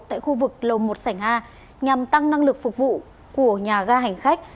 tại khu vực lồng một sảnh a nhằm tăng năng lực phục vụ của nhà gà hành khách